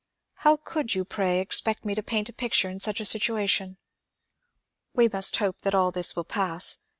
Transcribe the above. How could you, pray, expect me to paint a picture in such a situation ? We must hope that all this will pass.